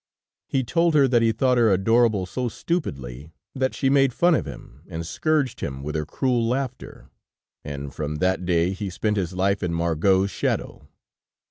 He told her that he thought her adorable, so stupidly, that she made fun of him and scourged him with her cruel laughter; and, from that day he spent his life in Margot's shadow.